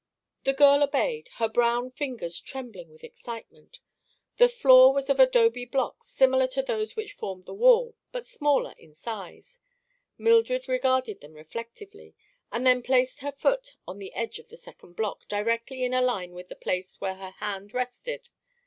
The girl obeyed, her brown fingers trembling with excitement. The floor was of adobe blocks similar to those which formed the wall, but smaller in size. Mildred regarded them reflectively and then placed her foot on the edge of the second block directly in a line with the place where her hand rested.